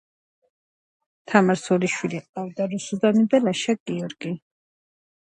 კარლმა შეინარჩუნა კონტროლი მხოლოდ კონტინენტურ იტალიაში ნეაპოლთან ერთად.